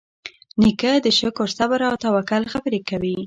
نیکه د شکر، صبر، او توکل خبرې کوي.